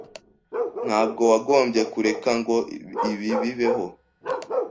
Ntabwo wagombye kureka ngo ibi bibeho.